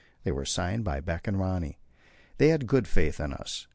They were signed by Beck and Rönne. They had good faith in us.